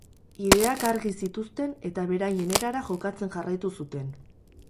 Ideak argi zituzten eta beraien erara jokatzen jarraitu zuten.